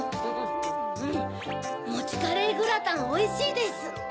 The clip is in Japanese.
もちカレーグラタンおいしいです。